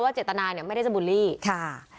เจตนาเนี่ยไม่ได้จะบูลลี่ค่ะ